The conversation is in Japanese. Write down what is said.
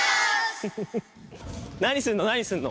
何すんの何すんの？